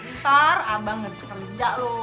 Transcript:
bentar abang ngerjain kerja loh